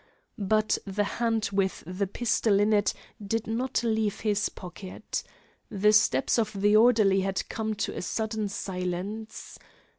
But the hand with the pistol in it did not leave his pocket. The steps of the orderly had come to a sudden silence.